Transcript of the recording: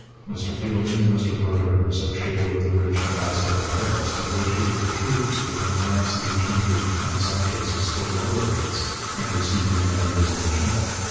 Mr Fielding and Mr Brodeur, associated with the British ambassador at Paris, negotiated a treaty, giving France the intermediate and in some cases still lower rates, and receiving advantages in return.